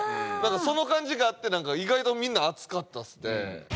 その感じがあって意外とみんな熱かったっすね